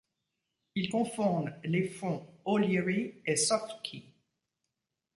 Il cofonde les fonds O'Leary et SoftKey.